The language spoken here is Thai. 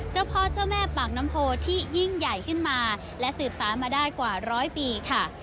เจ้าพ่อเจ้าแม่ปากน้ำโพที่ยิ่งใหญ่ขึ้นมาและสืบสารมาได้กว่าร้อยปีค่ะ